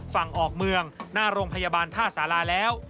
ฝั่งออกเมืองหน้าโรงพยาบาลท่าสาราแล้ว